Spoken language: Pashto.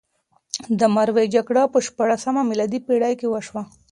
د مروې جګړه په شپاړلسمه میلادي پېړۍ کې وشوه.